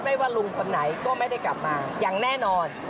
ว่าลุงคนไหนก็ไม่ได้กลับมาอย่างแน่นอน